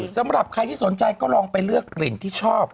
สำหรับใครที่สนใจก็ลองไปเลือกกลิ่นที่ชอบ